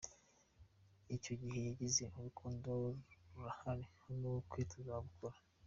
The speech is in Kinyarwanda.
Icyo gihe yagize “Urukundo rurahari n’ubukwe tuzabukora.